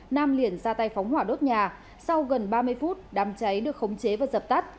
nam liền ra tay phóng hỏa đốt nhà sau gần ba mươi phút đám cháy được khống chế và dập tắt